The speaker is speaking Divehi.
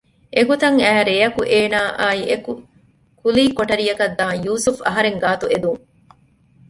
އެގޮތަށް އައި ރެޔަކު އޭނާއާއިއެކު ކުލީ ކޮޓަރިއަކަށް ދާން ޔޫސުފް އަހަރެން ގާތުން އެދުން